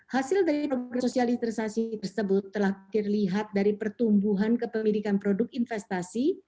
hasil dari sosialisasi tersebut telah dilihat dari pertumbuhan kepemilikan produk investasi